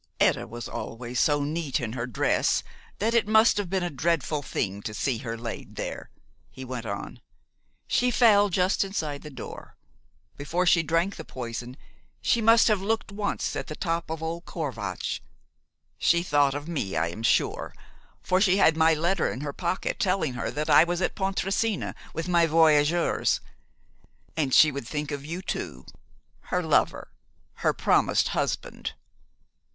"Etta was always so neat in her dress that it must have been a dreadful thing to see her laid there," he went on. "She fell just inside the door. Before she drank the poison she must have looked once at the top of old Corvatsch. She thought of me, I am sure, for she had my letter in her pocket telling her that I was at Pontresina with my voyageurs. And she would think of you too, her lover, her promised husband."